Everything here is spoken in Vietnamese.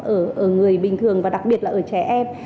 ở người bình thường và đặc biệt là ở trẻ em